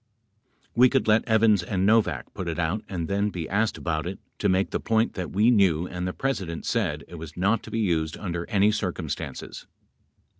We could let Evans and Novak put it out and then be asked about it to make the point that we knew and the President said it was not to be used under any circumstances.